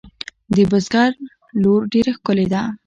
د بزگر لور ډېره ښکلې ده.